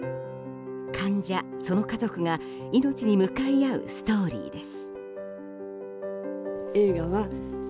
患者、その家族が命に向かい合うストーリーです。